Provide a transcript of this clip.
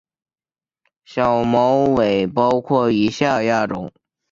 小毛猬包括以下亚种